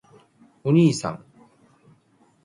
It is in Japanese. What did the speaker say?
おにいさん！！！